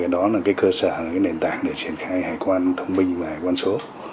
đó là cơ sở nền tảng triển khai hải quan thông minh hải quan số